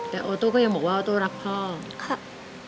แต่โอโต้ก็ยังบอกว่าโอโต้รับพ่อครับ